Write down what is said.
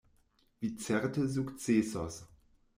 Vi certe sukcesos.